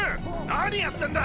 何やってんだ！